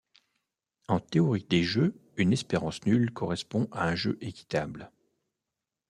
En théorie des jeux, une espérance nulle correspond à un jeu équitable.